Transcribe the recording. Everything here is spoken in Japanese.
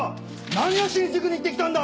何をしに塾に行って来たんだ！